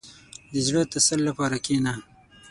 • د زړه د تسل لپاره کښېنه.